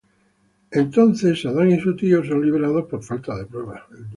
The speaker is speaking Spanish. Durante este entonces, Saddam y su tío son liberados por falta de pruebas.